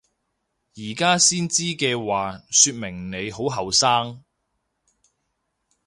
而家先知嘅話說明你好後生！